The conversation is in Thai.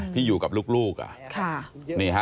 ที่อยู่กับลูก